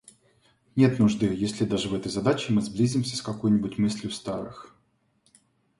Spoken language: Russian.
Нет нужды, если даже в этой задаче мы сблизимся с какой-нибудь мыслью старых.